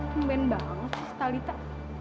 bambang banget si stalita